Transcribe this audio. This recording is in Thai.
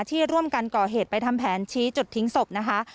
ที่ร่วมกันก่อเหตุไปทำแผนชี้จุดทิ้งศพนะคะ